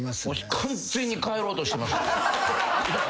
完全に帰ろうとしてます。